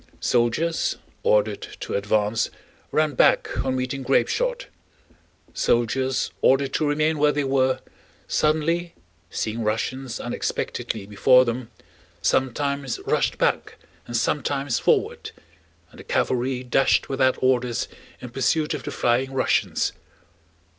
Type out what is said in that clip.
Soldiers ordered to advance ran back on meeting grapeshot; soldiers ordered to remain where they were, suddenly, seeing Russians unexpectedly before them, sometimes rushed back and sometimes forward, and the cavalry dashed without orders in pursuit of the flying Russians.